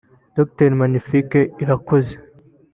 Dr Magnifique Irakoze